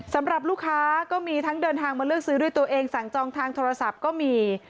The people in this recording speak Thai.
สำหรับลูกค้าก็มีทั้งเดินทางมาเลือกซื้อด้วยตัวเองสั่งจองทางโทรศัพท์ก็มี